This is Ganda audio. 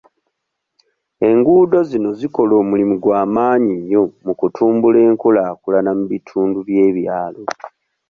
Enguudo zino zikola omulimu gw'amaanyi nnyo mu kutumbula enkulaakulana mu bitundu by'ebyalo.